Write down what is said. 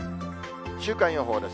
週間予報です。